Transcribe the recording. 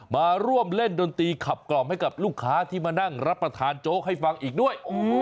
มาร่วมเล่นดนตรีขับกล่อมให้กับลูกค้าที่มานั่งรับประทานโจ๊กให้ฟังอีกด้วย